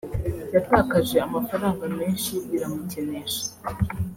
yatakaje amafaranga menshi biramukenesha